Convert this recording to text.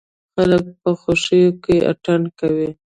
خلک په خوښيو کې اتڼ کوي.